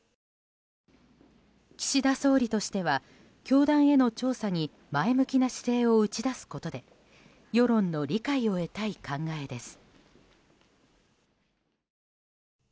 岸田総理としては教団への調査に前向きな姿勢を打ち出すことで世論の理解を得たい考えです。